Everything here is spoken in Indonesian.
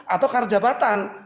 atau karena jabatan